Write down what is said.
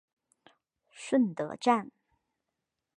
顺德站